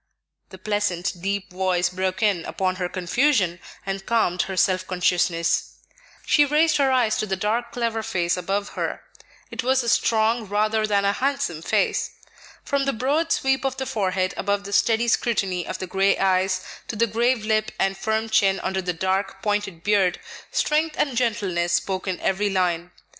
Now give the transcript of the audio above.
The pleasant, deep voice broke in upon her confusion and calmed her self consciousness. She raised her eyes to the dark, clever face above her; it was a strong, rather than a handsome face. From the broad sweep of the forehead above the steady scrutiny of the gray eyes, to the grave lip and firm chin under the dark, pointed beard, strength and gentleness spoke in every line.